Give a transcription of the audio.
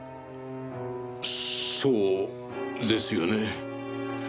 そうですよね。